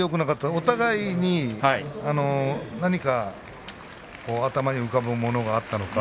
お互いに何か頭に浮かぶものがあったのか。